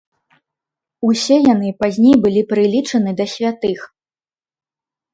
Усе яны пазней былі прылічаны да святых.